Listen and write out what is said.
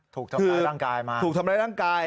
ถูกทำร้ายร่างกายมาถูกทำร้ายร่างกาย